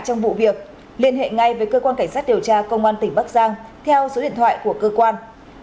trong vụ việc liên hệ ngay với cơ quan cảnh sát điều tra công an tỉnh bắc giang theo số điện thoại của cơ quan